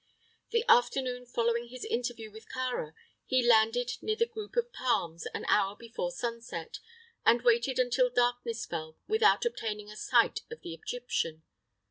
The afternoon following his interview with Kāra, he landed near the group of palms an hour before sunset, and waited until darkness fell without obtaining a sight of the Egyptian.